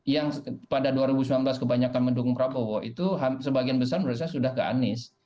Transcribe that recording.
yang pada dua ribu sembilan belas kebanyakan mendukung prabowo itu sebagian besar menurut saya sudah ke anies